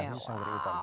iya khusus anggrek hitam